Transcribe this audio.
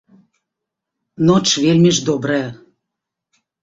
Ноч вельмі ж добрая.